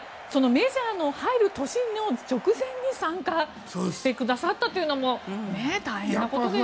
メジャーに入る年の直前に参加してくださったのも大変なことですね。